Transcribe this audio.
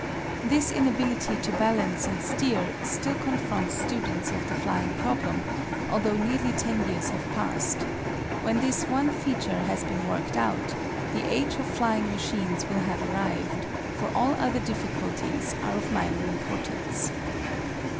This inability to balance and steer still confronts students of the flying problem, although nearly ten years have passed. When this one feature has been worked out the age of flying machines will have arrived, for all other difficulties are of minor importance.